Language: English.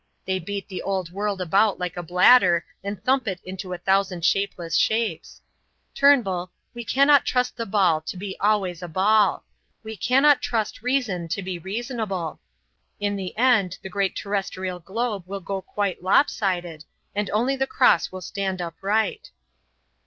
They beat the old world about like a bladder and thump it into a thousand shapeless shapes. Turnbull, we cannot trust the ball to be always a ball; we cannot trust reason to be reasonable. In the end the great terrestrial globe will go quite lop sided, and only the cross will stand upright."